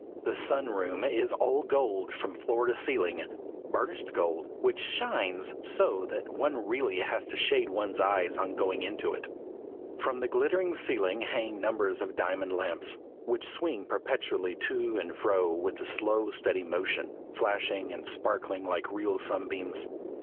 The Sun room is all gold from floor to ceiling, burnished gold, which shines so that one really has to shade one's eyes on going into it. From the glittering ceiling hang numbers of diamond lamps, which swing perpetually to and fro with a slow, steady motion, flashing and sparkling like real sunbeams.